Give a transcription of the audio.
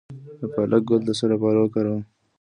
د پالک ګل د څه لپاره وکاروم؟